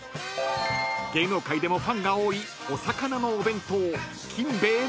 ［芸能界でもファンが多いお魚のお弁当金兵衛など］